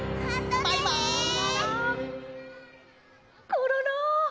コロロ！